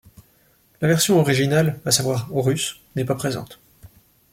La version originale, à savoir russe, n'est pas présente.